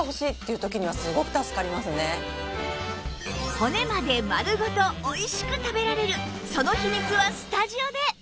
骨までまるごとおいしく食べられるその秘密はスタジオで！